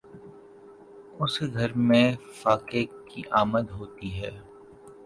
اس کے گھر میں فاقے کی آمد ہوتی ہے